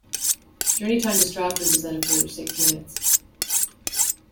Journey time to Stratford was then a further six minutes.